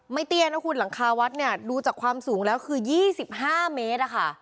เตี้ยนะคุณหลังคาวัดเนี่ยดูจากความสูงแล้วคือ๒๕เมตรอะค่ะ